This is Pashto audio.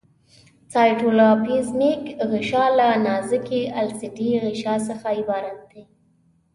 سایټوپلازمیک غشا له نازکې الستیکي غشا څخه عبارت ده.